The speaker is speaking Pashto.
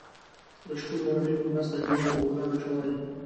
د شپون او رمې په مرسته ژوند روښانه شوی.